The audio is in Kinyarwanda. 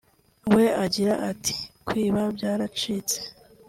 we agira ati "Kwiba byaracitse